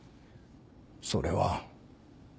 それは。